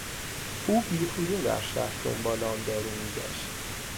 او بیهوده در شهر دنبال آن دارو میگشت.